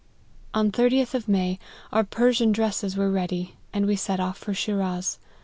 " On 30th of May, our Persian dresses were ready, and we set out for Shiraz.